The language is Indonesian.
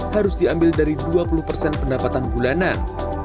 harus diambil dari dua puluh persen pendapatan bulanan